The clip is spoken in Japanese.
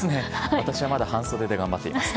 私はまだ半袖で頑張っています。